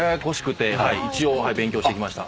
一応勉強してきました。